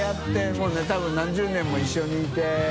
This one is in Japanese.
もうね多分何十年も一緒にいて。